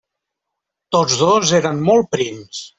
Tots dos eren molt prims.